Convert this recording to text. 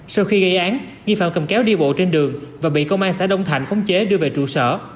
sau khi gây án nghi phạm cầm kéo đi bộ trên đường và bị công an xã đông thạnh khống chế đưa về trụ sở